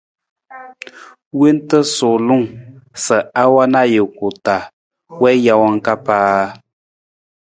Wonta suulung sa a wan ajuku taa wii jawang ka paa.